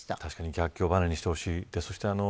逆境をばねにしてほしいですね。